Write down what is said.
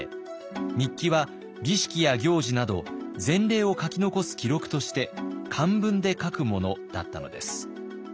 日記は儀式や行事など前例を書き残す記録として漢文で書くものだったのです。